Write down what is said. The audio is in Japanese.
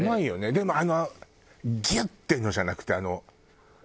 でもあのギュッていうのじゃなくて。